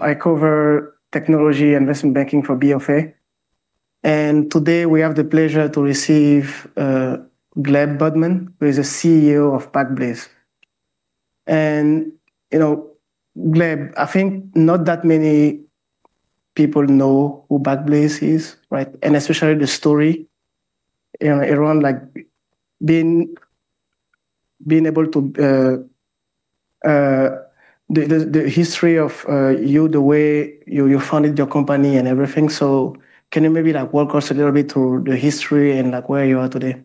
I cover technology investment banking for BofA. Today we have the pleasure to receive Gleb Budman, who is the CEO of Backblaze. Gleb, I think not that many people know who Backblaze is, right? Especially the story around the history of you, the way you founded your company and everything. Can you maybe walk us a little bit through the history and where you are today?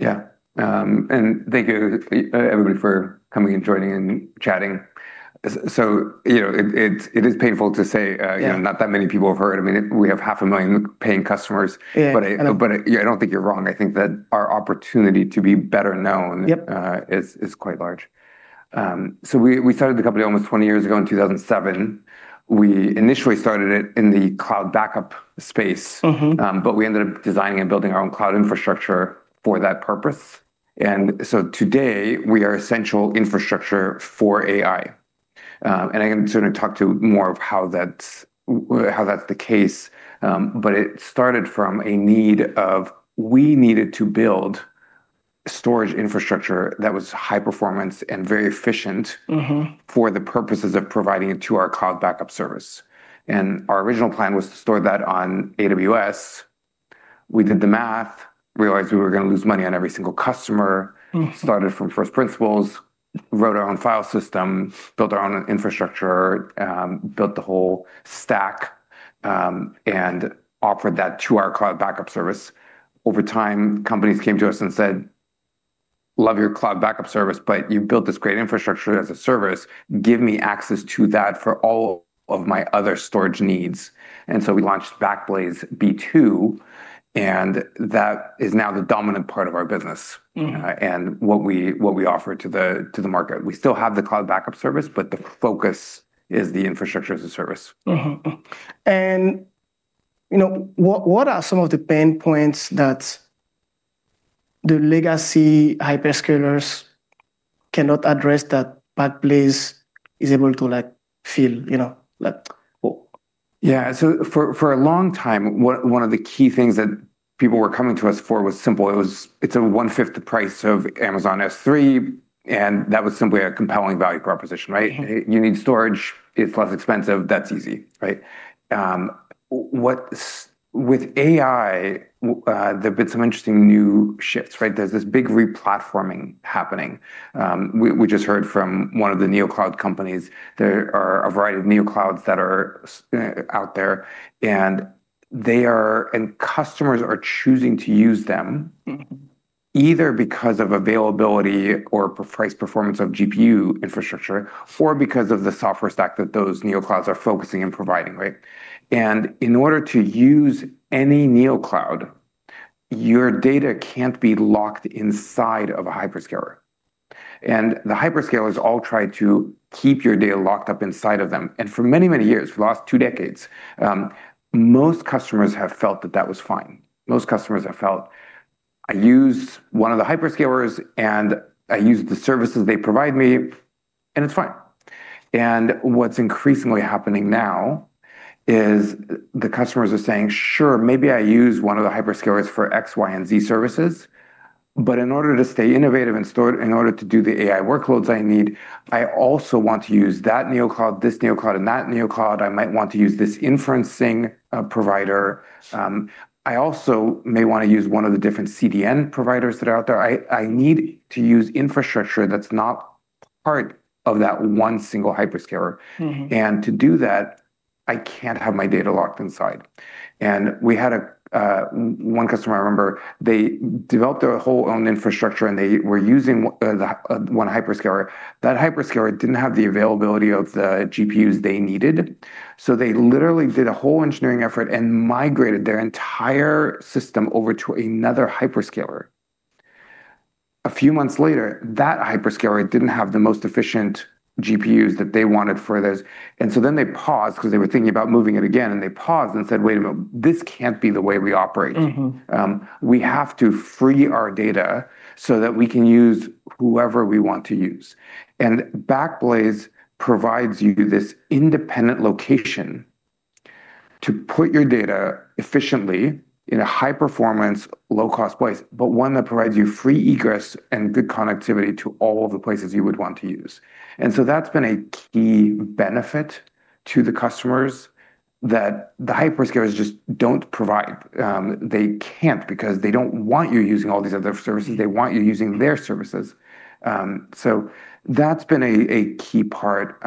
Yeah. Thank you, everybody, for coming and joining and chatting. It is painful to say not that many people have heard of it. We have half a million paying customers. I don't think you're wrong. I think that our opportunity to be better known is quite large. We started the company almost 20 years ago in 2007. We initially started it in the cloud backup space. We ended up designing and building our own cloud infrastructure for that purpose. Today, we are essential infrastructure for AI. I can sort of talk to more of how that's the case. It started from a need of we needed to build storage infrastructure that was high performance and very efficient for the purposes of providing it to our cloud backup service. Our original plan was to store that on AWS. We did the math, realized we were going to lose money on every single customer. Started from first principles, wrote our own file system, built our own infrastructure, built the whole stack, and offered that to our cloud backup service. Over time, companies came to us and said, "Love your cloud backup service, but you've built this great infrastructure as a service. Give me access to that for all of my other storage needs." We launched Backblaze B2, and that is now the dominant part of our business. What we offer to the market. We still have the Computer Backup, but the focus is the infrastructure as a service. What are some of the pain points that the legacy hyperscalers cannot address that Backblaze is able to fill? Yeah. For a long time, one of the key things that people were coming to us for was simple. It's 1/5 the price of Amazon S3, and that was simply a compelling value proposition, right? You need storage, it's less expensive. That's easy, right? With AI, there have been some interesting new shifts, right? There's this big re-platforming happening. We just heard from one of the NeoCloud companies. There are a variety of NeoClouds that are out there, and customers are choosing to use them either because of availability or price performance of GPU infrastructure, or because of the software stack that those Neoclouds are focusing and providing, right? In order to use any Neocloud, your data can't be locked inside of a hyperscaler. The hyperscalers all try to keep your data locked up inside of them. For many, many years, for the last two decades, most customers have felt that that was fine. Most customers have felt, "I use one of the hyperscalers, and I use the services they provide me, and it's fine." What's increasingly happening now is the customers are saying, "Sure, maybe I use one of the hyperscalers for X, Y, and Z services, but in order to stay innovative and in order to do the AI workloads I need, I also want to use that Neocloud, this Neocloud, and that Neocloud. I might want to use this inferencing provider. I also may want to use one of the different CDN providers that are out there. I need to use infrastructure that's not part of that one single hyperscaler. To do that, I can't have my data locked inside. We had one customer, I remember, they developed their whole own infrastructure, and they were using one hyperscaler. That hyperscaler didn't have the availability of the GPUs they needed, so they literally did a whole engineering effort and migrated their entire system over to another hyperscaler. A few months later, that hyperscaler didn't have the most efficient GPUs that they wanted for this. They paused because they were thinking about moving it again, and they paused and said, "Wait a minute, this can't be the way we operate. We have to free our data so that we can use whoever we want to use." Backblaze provides you this independent location to put your data efficiently in a high-performance, low-cost place, but one that provides you free egress and good connectivity to all of the places you would want to use. That's been a key benefit to the customers that the hyperscalers just don't provide. They can't because they don't want you using all these other services. They want you using their services. That's been a key part.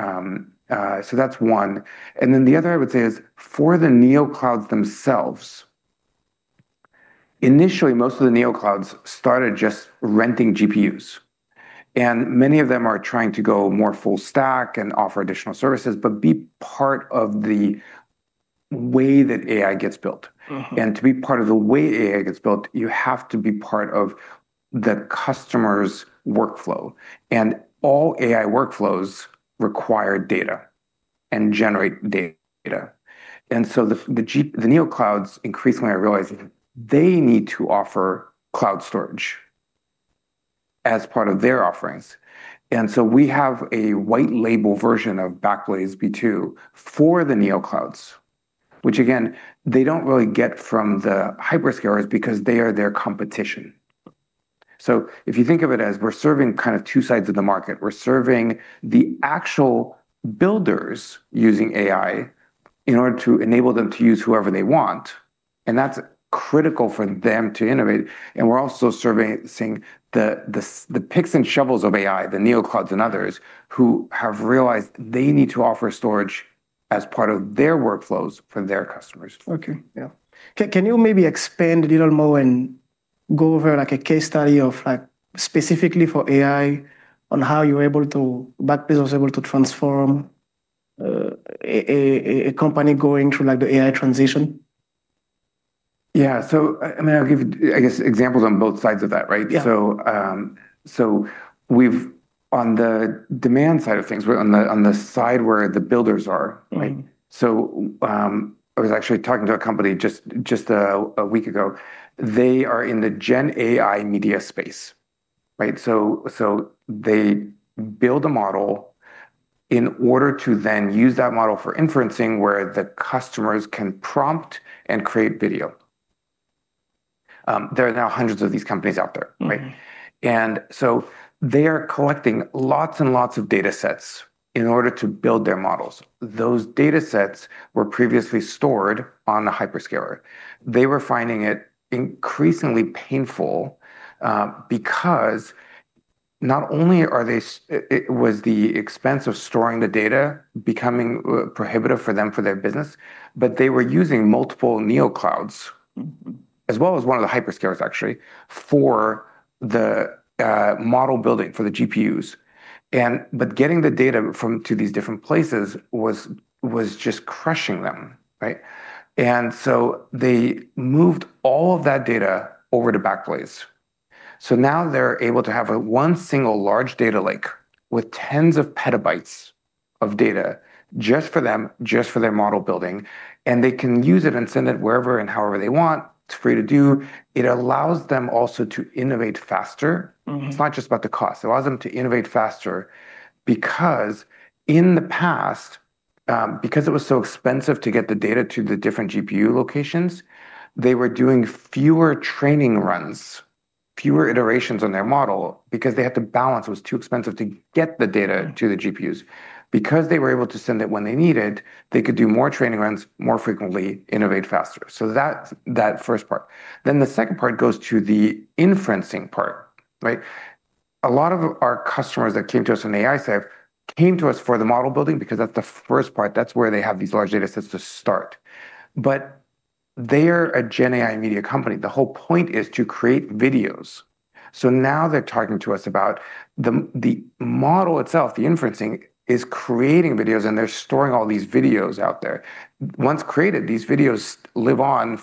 That's one. The other I would say is for the NeoClouds themselves, initially, most of the NeoClouds started just renting GPUs, and many of them are trying to go more full stack and offer additional services but be part of the way that AI gets built. To be part of the way AI gets built, you have to be part of the customer's workflow. All AI workflows require data and generate data. The Neoclouds increasingly are realizing they need to offer cloud storage as part of their offerings. We have a white-label version of Backblaze B2 for the Neoclouds, which again, they don't really get from the hyperscalers because they are their competition. If you think of it as we're serving two sides of the market. We're serving the actual builders using AI in order to enable them to use whoever they want, and that's critical for them to innovate. We're also servicing the picks and shovels of AI, the Neoclouds and others, who have realized they need to offer storage as part of their workflows for their customers. Okay. Yeah. Can you maybe expand a little more and go over a case study of specifically for AI on how Backblaze was able to transform a company going through the AI transition? Yeah. I'll give, I guess, examples on both sides of that, right? Yeah. On the demand side of things, on the side where the builders are, right? I was actually talking to a company just a week ago. They are in the GenAI media space, right? They build a model in order to then use that model for inferencing where the customers can prompt and create video. There are now hundreds of these companies out there, right? They are collecting lots and lots of data sets in order to build their models. Those data sets were previously stored on the hyperscaler. They were finding it increasingly painful, because not only was the expense of storing the data becoming prohibitive for them for their business, but they were using multiple Neoclouds, as well as one of the hyperscalers actually, for the model building, for the GPUs. Getting the data to these different places was just crushing them, right? They moved all of that data over to Backblaze. Now they're able to have one single large data lake with tens of petabytes of data just for them, just for their model building, and they can use it and send it wherever and however they want. It's free to do. It allows them also to innovate faster. It's not just about the cost. It allows them to innovate faster because in the past, because it was so expensive to get the data to the different GPU locations, they were doing fewer training runs, fewer iterations on their model because they had to balance. It was too expensive to get the data to the GPUs. Because they were able to send it when they needed, they could do more training runs more frequently, innovate faster. That's that first part. The second part goes to the inferencing part, right? A lot of our customers that came to us on AI side came to us for the model building because that's the first part. That's where they have these large data sets to start. They are a GenAI media company. The whole point is to create videos. Now they're talking to us about the model itself. The inferencing is creating videos, and they're storing all these videos out there. Once created, these videos live on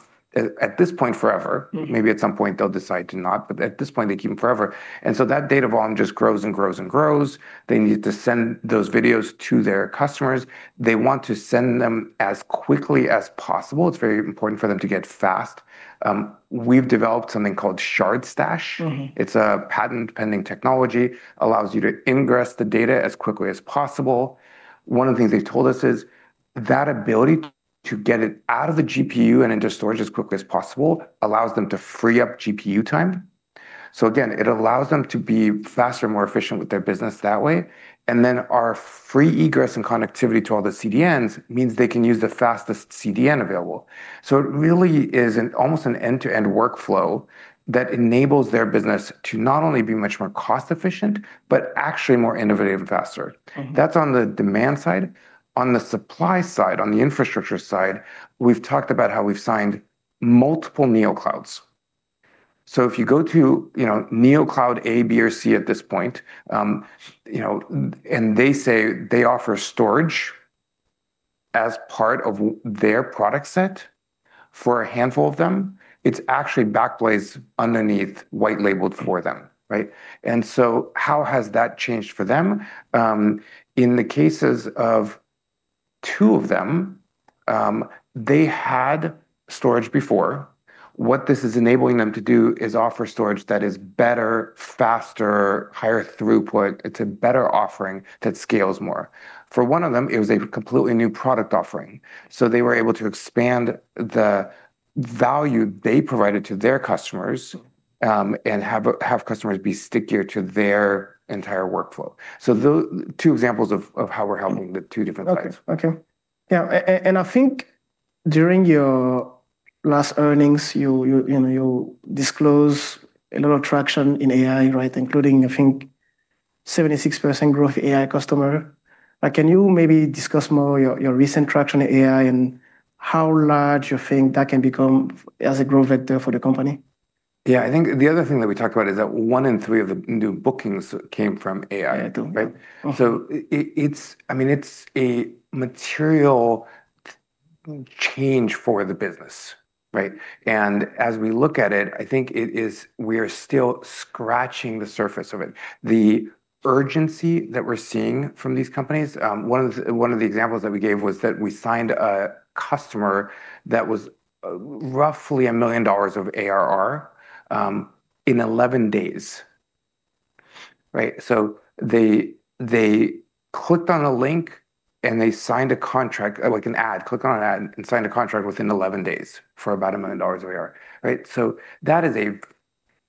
at this point forever. Maybe at some point they'll decide to not, but at this point they keep them forever. That data volume just grows and grows and grows. They need to send those videos to their customers. They want to send them as quickly as possible. It's very important for them to get fast. We've developed something called Shard Stash. It's a patent-pending technology, allows you to ingress the data as quickly as possible. One of the things they told us is that ability to get it out of the GPU and into storage as quickly as possible allows them to free up GPU time. Again, it allows them to be faster and more efficient with their business that way. Our free egress and connectivity to all the CDNs means they can use the fastest CDN available. It really is almost an end-to-end workflow that enables their business to not only be much more cost efficient, but actually more innovative and faster. That is on the demand side. On the supply side, on the infrastructure side, we have talked about how we have signed multiple Neoclouds. If you go to Neocloud A, B, or C at this point, and they say they offer storage as part of their product set for a handful of them, it is actually Backblaze underneath white-label for them, right? How has that changed for them? In the cases of two of them, they had storage before. What this is enabling them to do is offer storage that is better, faster, higher throughput. It is a better offering that scales more. For one of them, it was a completely new product offering, they were able to expand the value they provided to their customers, and have customers be stickier to their entire workflow. Those two examples of how we are helping the two different sides. Okay. Yeah, I think during your last earnings, you disclose a lot of traction in AI, right? Including, I think, 76% growth AI customer. Can you maybe discuss more your recent traction in AI and how large you think that can become as a growth vector for the company? Yeah, I think the other thing that we talked about is that one in three of the new bookings came from AI. Yeah, true. Right? I mean, it's a material change for the business, right? As we look at it, I think we are still scratching the surface of it. The urgency that we're seeing from these companies, one of the examples that we gave was that we signed a customer that was roughly $1 million of ARR in 11 days. They clicked on a link, and they signed a contract, like an ad, clicked on an ad, and signed a contract within 11 days for about $1 million of ARR. That is a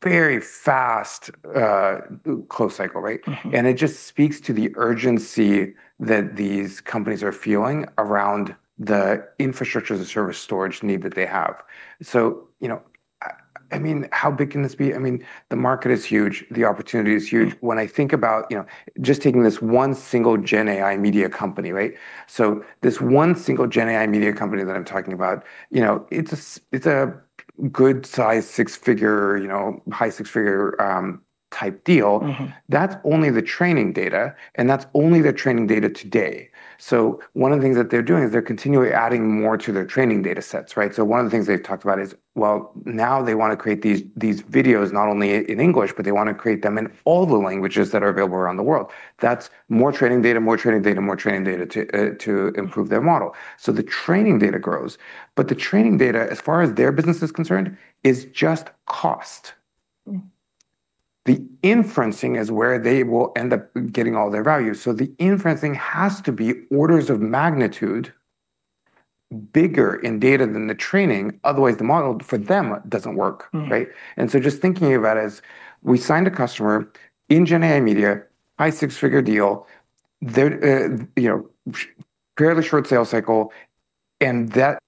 very fast close cycle, right? It just speaks to the urgency that these companies are feeling around the infrastructure as a service storage need that they have. How big can this be? The market is huge. The opportunity is huge. When I think about just taking this one single GenAI media company. This one single GenAI media company that I'm talking about, it's a good size six-figure, high six-figure type deal. That's only the training data, and that's only their training data today. One of the things that they're doing is they're continually adding more to their training data sets. One of the things they've talked about is, well, now they want to create these videos not only in English, but they want to create them in all the languages that are available around the world. That's more training data, more training data, more training data to improve their model. The training data grows, but the training data, as far as their business is concerned, is just cost. The inferencing is where they will end up getting all their value. The inferencing has to be orders of magnitude bigger in data than the training, otherwise the model for them doesn't work. Just thinking about it as we signed a customer in GenAI media, high six-figure deal, fairly short sales cycle, and that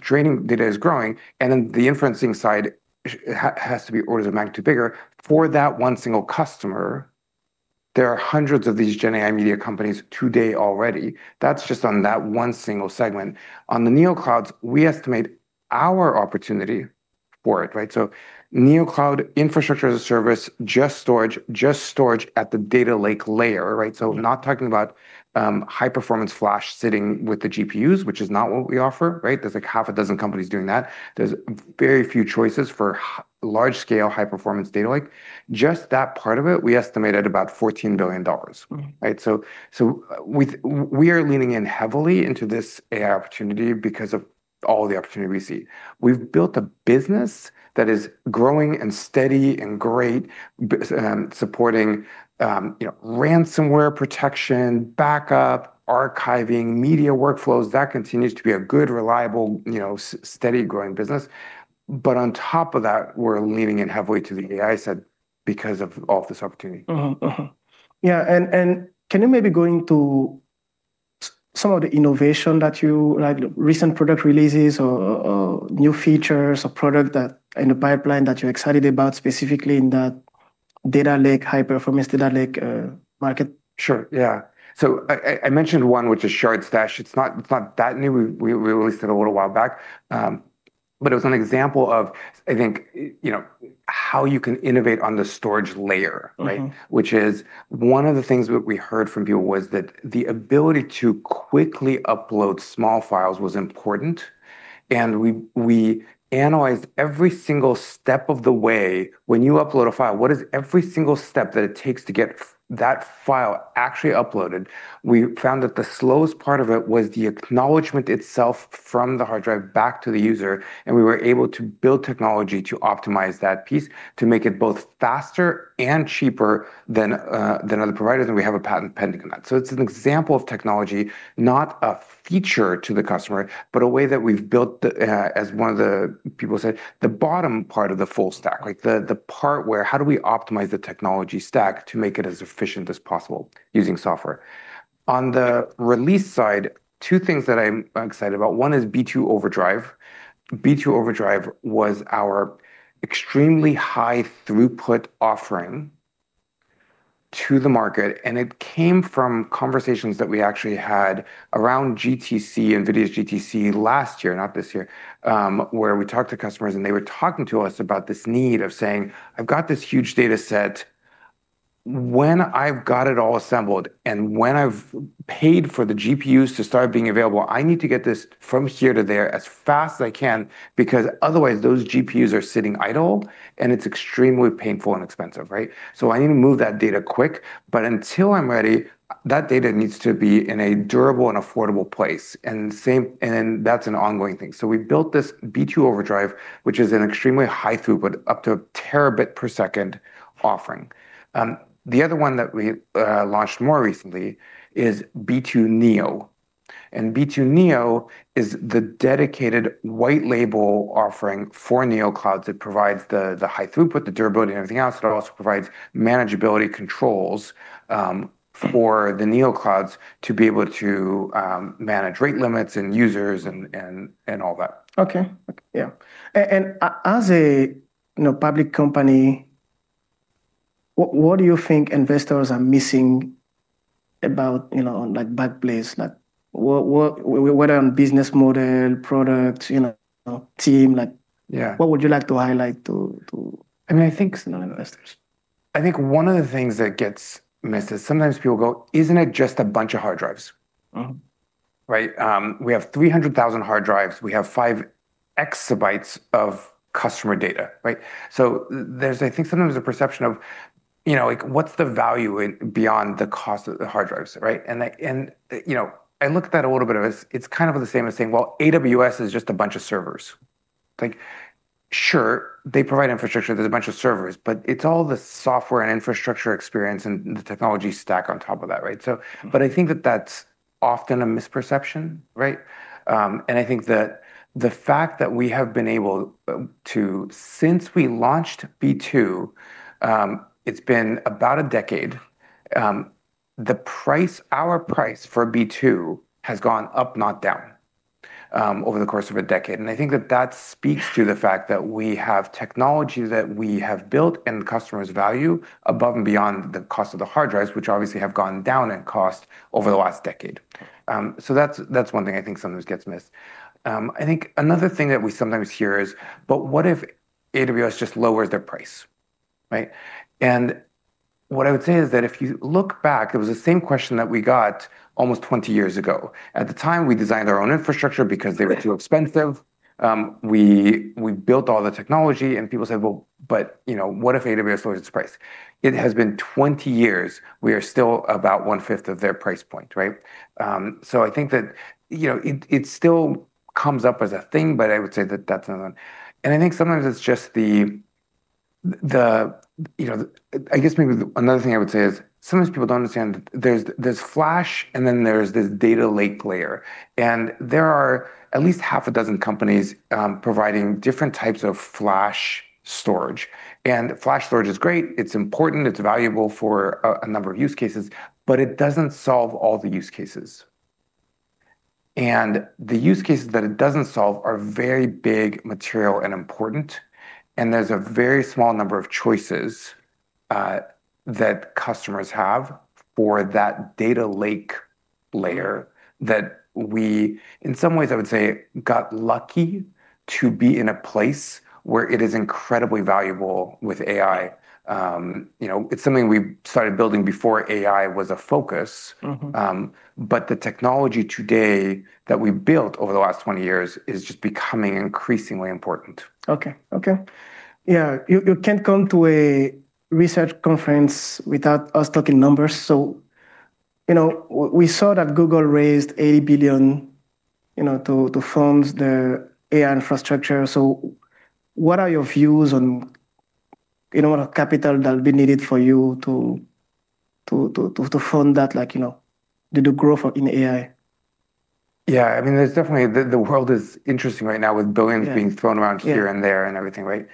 training data is growing, and then the inferencing side has to be orders of magnitude bigger for that one single customer. There are hundreds of these GenAI media companies today already. That's just on that one single segment. On the Neoclouds, we estimate our opportunity for it. Neocloud infrastructure as a service, just storage at the data lake layer. Not talking about high-performance flash sitting with the GPUs, which is not what we offer. There's like half a dozen companies doing that. There's very few choices for large scale, high-performance data lake. Just that part of it, we estimate at about $14 billion. We are leaning in heavily into this AI opportunity because of all the opportunity we see. We've built a business that is growing and steady and great, supporting ransomware protection, backup, archiving, media workflows. That continues to be a good, reliable, steady growing business. On top of that, we're leaning in heavily to the AI side because of all this opportunity. Mm-hmm. Yeah, can you maybe go into some of the innovation, recent product releases or new features or product in the pipeline that you're excited about, specifically in that data lake, high-performance data lake market? Sure, yeah. I mentioned one, which is Shard Stash. It's not that new. We released it a little while back. It was an example of, I think, how you can innovate on the storage layer. Which is one of the things that we heard from people was that the ability to quickly upload small files was important, and we analyzed every single step of the way. When you upload a file, what is every single step that it takes to get that file actually uploaded? We found that the slowest part of it was the acknowledgement itself from the hard drive back to the user, and we were able to build technology to optimize that piece to make it both faster and cheaper than other providers, and we have a patent pending on that. It's an example of technology, not a feature to the customer, but a way that we've built, as one of the people said, the bottom part of the full stack, the part where how do we optimize the technology stack to make it as efficient as possible using software. On the release side, two things that I'm excited about. One is B2 Overdrive. B2 Overdrive was our extremely high throughput offering to the market, and it came from conversations that we actually had around GTC, NVIDIA's GTC last year, not this year, where we talked to customers, and they were talking to us about this need of saying, "I've got this huge data set. When I've got it all assembled, and when I've paid for the GPUs to start being available, I need to get this from here to there as fast as I can, because otherwise those GPUs are sitting idle, and it's extremely painful and expensive. I need to move that data quick. Until I'm ready, that data needs to be in a durable and affordable place." That's an ongoing thing. We built this B2 Overdrive, which is an extremely high throughput, up to a terabit per second offering. The other one that we launched more recently is B2 Neo. B2 Neo is the dedicated white label offering for neoclouds. It provides the high throughput, the durability, and everything else, but it also provides manageability controls for the neoclouds to be able to manage rate limits and users and all that. Okay. Yeah. As a public company, what do you think investors are missing about Backblaze? Whether on business model, product, team. What would you like to highlight to investors? I think one of the things that gets missed is sometimes people go, "Isn't it just a bunch of hard drives? We have 300,000 hard drives. We have five exabytes of customer data. There's, I think sometimes a perception of what's the value beyond the cost of the hard drives, right? I look at that a little bit of as it's kind of the same as saying, well, AWS is just a bunch of servers. Sure, they provide infrastructure, there's a bunch of servers, it's all the software and infrastructure experience and the technology stack on top of that, right? I think that that's often a misperception, right? I think that the fact that we have been able to, since we launched B2, it's been about a decade. Our price for B2 has gone up, not down, over the course of a decade. I think that speaks to the fact that we have technology that we have built and customers value above and beyond the cost of the hard drives, which obviously have gone down in cost over the last decade. That's one thing I think sometimes gets missed. I think another thing that we sometimes hear is, what if AWS just lowers their price? Right? What I would say is that if you look back, it was the same question that we got almost 20 years ago. At the time, we designed our own infrastructure because they were too expensive. We built all the technology and people said, "Well, what if AWS lowers its price?" It has been 20 years. We are still about one-fifth of their price point, right? I think that it still comes up as a thing, but I would say that that's another one. I think sometimes it's just the I guess maybe another thing I would say is sometimes people don't understand there's flash and then there's this data lake layer. There are at least half a dozen companies providing different types of flash storage. Flash storage is great. It's important, it's valuable for a number of use cases, but it doesn't solve all the use cases. The use cases that it doesn't solve are very big material and important, and there's a very small number of choices that customers have for that data lake layer that we, in some ways, I would say, got lucky to be in a place where it is incredibly valuable with AI. It's something we started building before AI was a focus. The technology today that we've built over the last 20 years is just becoming increasingly important. Okay. Yeah. You can't come to a research conference without us talking numbers. We saw that Google raised $80 billion to fund their AI infrastructure. What are your views on capital that'll be needed for you to fund that, like, the growth in AI? Yeah, the world is interesting right now with billions being thrown around here and there and everything, right?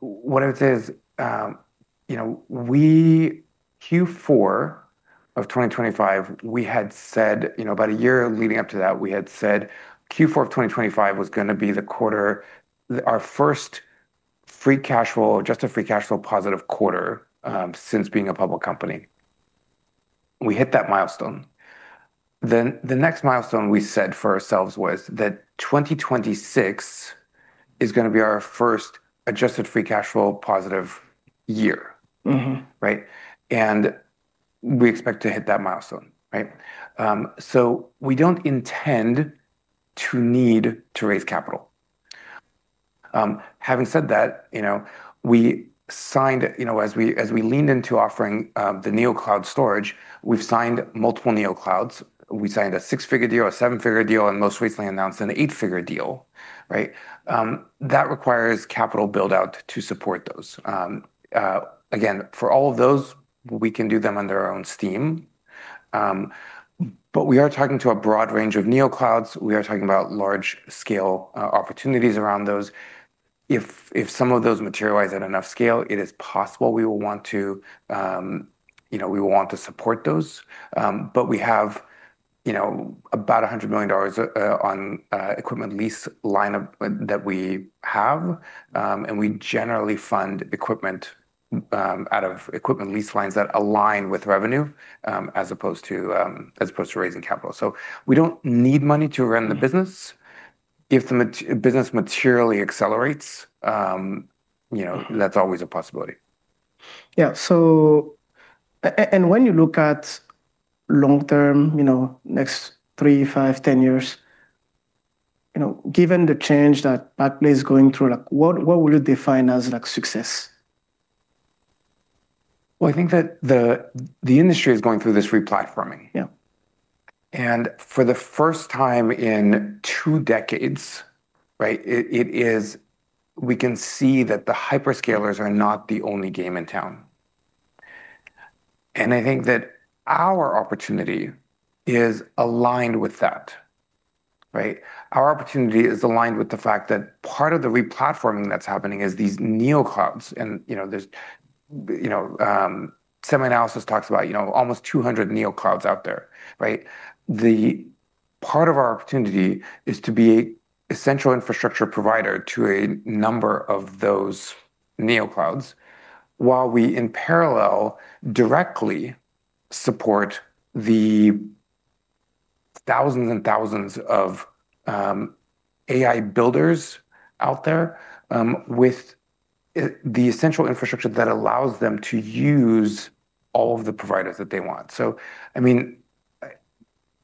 What I would say is Q4 of 2025, about a year leading up to that, we had said Q4 of 2025 was going to be our first free cash flow, adjusted free cash flow positive quarter, since being a public company. We hit that milestone. The next milestone we set for ourselves was that 2026 is going to be our first adjusted free cash flow positive year, right? We expect to hit that milestone, right? We don't intend to need to raise capital. Having said that, as we leaned into offering the Neocloud storage, we've signed multiple Neoclouds. We signed a six-figure deal, a seven-figure deal, and most recently announced an eight-figure deal, right? That requires capital build-out to support those. Again, for all of those, we can do them under our own steam. We are talking to a broad range of Neoclouds. We are talking about large-scale opportunities around those. If some of those materialize at enough scale, it is possible we will want to support those. We have about $100 million on equipment lease line-up that we have. We generally fund equipment out of equipment lease lines that align with revenue, as opposed to raising capital. We don't need money to run the business. If the business materially accelerates, that's always a possibility. Yeah. When you look at long term, next three, five, 10 years, given the change that Backblaze is going through, what would you define as success? Well, I think that the industry is going through this replatforming. Yeah. For the first time in two decades, right, we can see that the hyperscalers are not the only game in town. I think that our opportunity is aligned with that, right? Our opportunity is aligned with the fact that part of the replatforming that's happening is these Neoclouds. Some analysis talks about almost 200 Neoclouds out there, right? The part of our opportunity is to be a essential infrastructure provider to a number of those Neoclouds while we, in parallel, directly support the thousands and thousands of AI builders out there, with the essential infrastructure that allows them to use all of the providers that they want. I mean,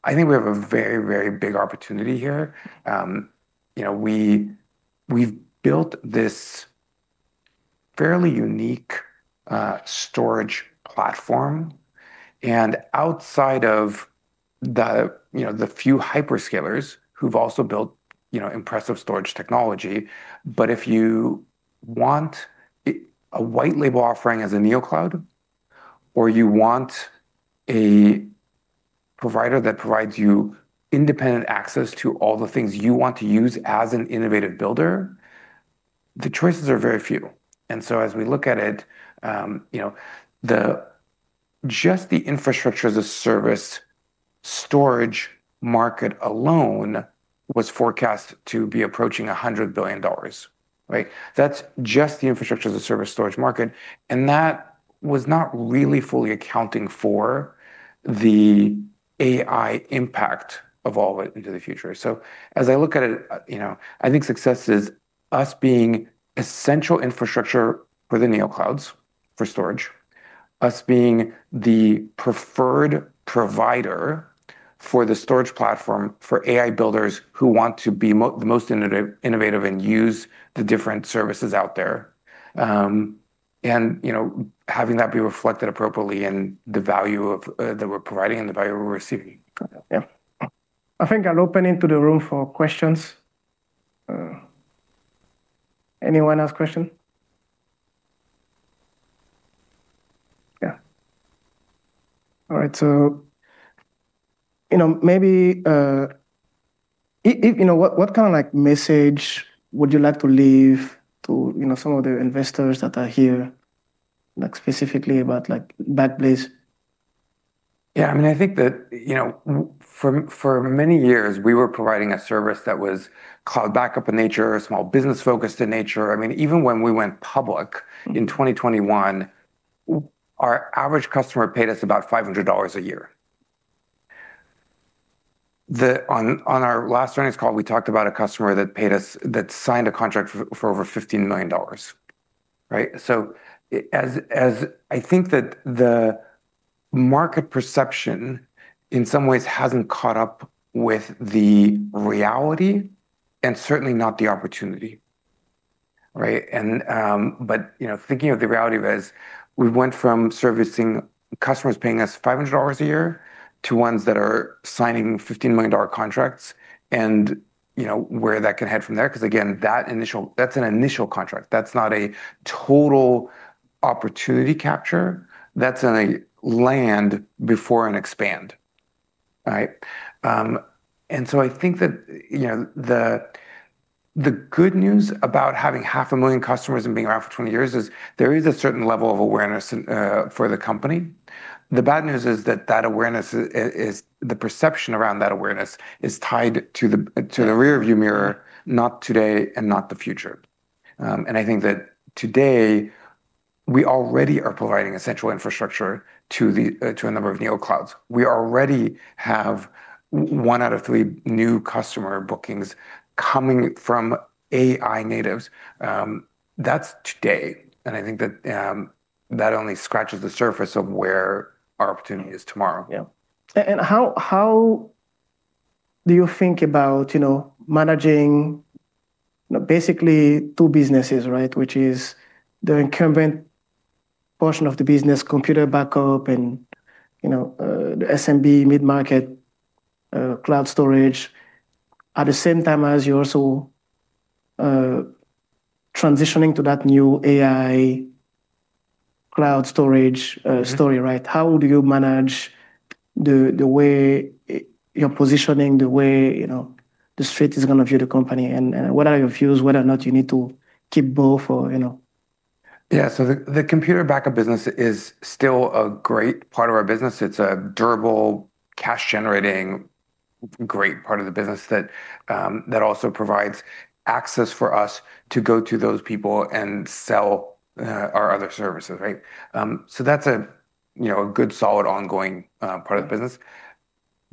I think we have a very, very big opportunity here. We've built this fairly unique storage platform and outside of the few hyperscalers who've also built impressive storage technology. If you want a white label offering as a Neocloud, or you want a provider that provides you independent access to all the things you want to use as an innovative builder, the choices are very few. As we look at it, just the infrastructure as a service storage market alone was forecast to be approaching $100 billion, right? That's just the infrastructure as a service storage market, and that was not really fully accounting for the AI impact of all of it into the future. As I look at it, I think success is us being essential infrastructure for the Neoclouds for storage, us being the preferred provider for the storage platform for AI builders who want to be the most innovative and use the different services out there. Having that be reflected appropriately in the value that we're providing and the value we're receiving. I think I'll open into the room for questions. Anyone has question? All right. What kind of message would you like to leave to some of the investors that are here, specifically about Backblaze? I think that for many years we were providing a service that was cloud backup in nature, small business-focused in nature. Even when we went public in 2021, our average customer paid us about $500 a year. On our last earnings call, we talked about a customer that signed a contract for over $15 million, right? I think that the market perception in some ways hasn't caught up with the reality and certainly not the opportunity, right? Thinking of the reality of it as we went from servicing customers paying us $500 a year to ones that are signing $15 million contracts and where that can head from there, again, that's an initial contract. That's not a total opportunity capture. That's in a land before an expand, right? I think that the good news about having half a million customers and being around for 20 years is there is a certain level of awareness for the company. The bad news is that the perception around that awareness is tied to the rearview mirror, not today and not the future. I think that today we already are providing essential infrastructure to a number of Neoclouds. We already have one out of three new customer bookings coming from AI natives. That's today, and I think that only scratches the surface of where our opportunity is tomorrow. Yeah. How do you think about managing basically two businesses, right? Which is the incumbent portion of the business, Computer Backup, and the SMB mid-market cloud storage. At the same time as you're also transitioning to that new AI cloud storage story, right? How do you manage the way you're positioning, the way the street is going to view the company, and what are your views whether or not you need to keep both? Yeah. The Computer Backup business is still a great part of our business. It's a durable, cash-generating, great part of the business that also provides access for us to go to those people and sell our other services, right? That's a good, solid, ongoing part of the business.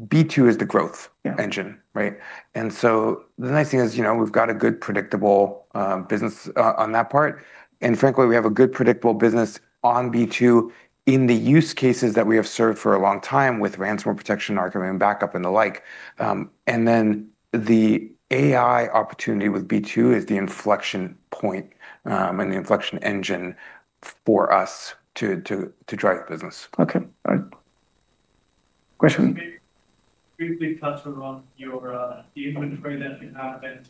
B2 is the growth engine, right? The nice thing is we've got a good predictable business on that part, and frankly, we have a good predictable business on B2 in the use cases that we have served for a long time with ransomware protection, archiving, backup, and the like. The AI opportunity with B2 is the inflection point, and the inflection engine for us to drive business. Okay. All right. Question? Can you maybe briefly touch around the inventory that you have and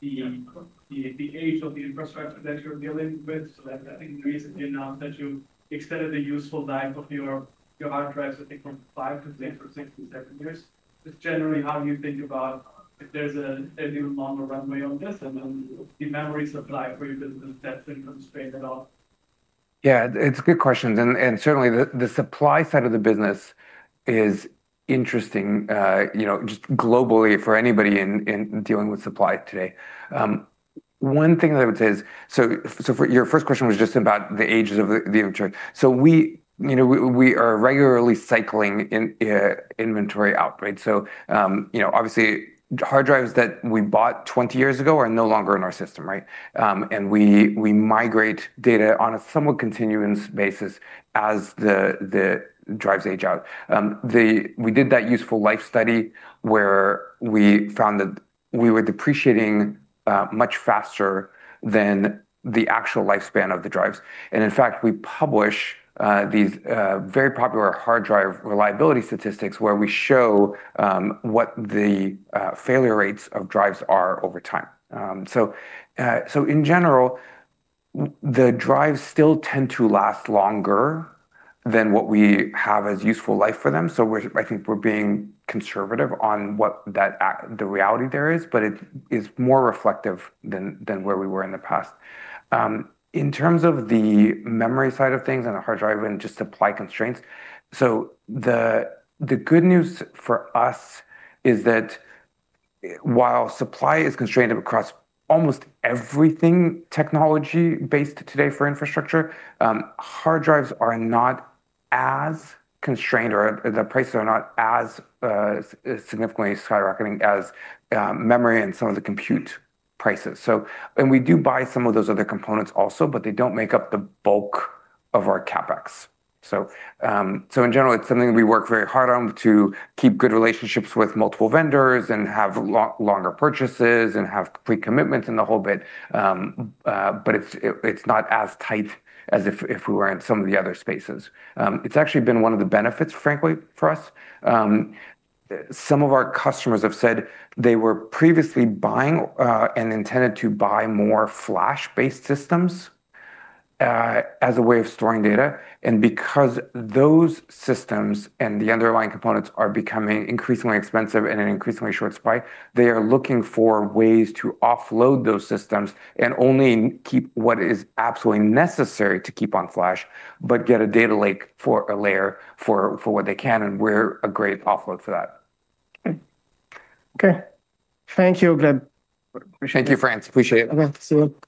the age of the infrastructure that you're dealing with? I think you recently announced that you extended the useful life of your hard drives, I think from five to six or seven years. Just generally, how do you think about if there's a new longer runway on this and then the memory supply for your business, that's been constrained at all? It's a good question, certainly the supply side of the business is interesting just globally for anybody in dealing with supply today. One thing that I would say is, for your first question was just about the ages of the inventory. We are regularly cycling inventory out. Obviously hard drives that we bought 20 years ago are no longer in our system. We migrate data on a somewhat continuous basis as the drives age out. We did that useful life study where we found that we were depreciating much faster than the actual lifespan of the drives. In fact, we publish these very popular hard drive reliability statistics where we show what the failure rates of drives are over time. In general, the drives still tend to last longer than what we have as useful life for them. I think we're being conservative on what the reality there is, but it is more reflective than where we were in the past. In terms of the memory side of things and the hard drive and just supply constraints, the good news for us is that while supply is constrained across almost everything technology-based today for infrastructure, hard drives are not as constrained or the prices are not as significantly skyrocketing as memory and some of the compute prices. We do buy some of those other components also, but they don't make up the bulk of our CapEx. In general, it's something that we work very hard on to keep good relationships with multiple vendors and have longer purchases and have pre-commitments and the whole bit. It's not as tight as if we were in some of the other spaces. It's actually been one of the benefits, frankly, for us. Some of our customers have said they were previously buying and intended to buy more flash-based systems as a way of storing data. Because those systems and the underlying components are becoming increasingly expensive and in increasingly short supply, they are looking for ways to offload those systems and only keep what is absolutely necessary to keep on flash, but get a data lake for a layer for what they can, and we're a great offload for that. Okay. Thank you, Gleb. Thank you, Frantz. Appreciate it. Okay. See you. Okay.